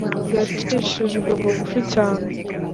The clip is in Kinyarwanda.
yacishijwe bugufi cyane